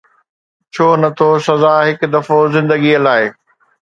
ڇو نه ٿو سزا هڪ دفعو زندگيءَ لاءِ؟